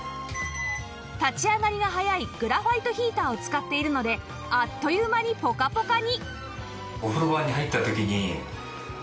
立ち上がりが早いグラファイトヒーターを使っているのであっという間にぽかぽかに